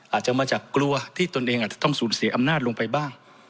อาจจะมาจากกลัวที่ตนเองอาจจะต้องสูญเสียอำนาจลงไปบ้าง